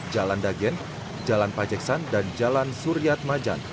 jalan dagen jalan pajeksan dan jalan suryat majan